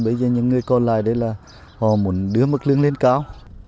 bây giờ những người con lai đấy là họ muốn đưa mức lương lên cao